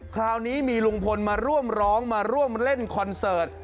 คราวนี้มีลุงพลมาร่วมร้องมาร่วมเล่นคอนเสิร์ต